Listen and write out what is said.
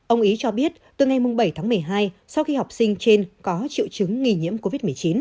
ông ý cho biết từ ngày bảy tháng một mươi hai sau khi học sinh trên có triệu chứng nghi nhiễm covid một mươi chín